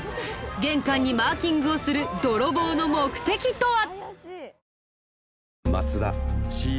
玄関にマーキングをする泥棒の目的とは？